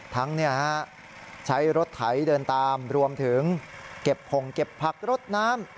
ทั้งใช้รถไถเดินตามรวมถึงเก็บผงเก็บผักรถน้ำ